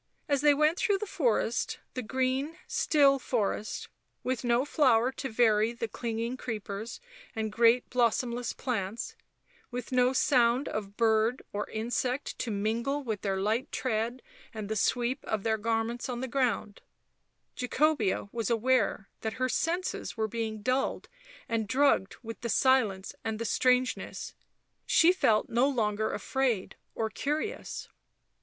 As they went through the forest, the green, still forest, with no flower to vary the clinging creeners and great blossomless plants, with no sound of bird or insect to mingle with their light tread and the sweep of their garments on the ground, Jacobea was aware that her senses were being dulled and drugged with the silence and the strangeness; she felt no longer Digitized by UNIVERSITY OF MICHIGAN Original from UNIVERSITY OF MICHIGAN BLACK MAGIC 97 afraid or curious.